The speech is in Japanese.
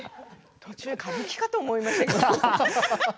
途中、歌舞伎かと思いました。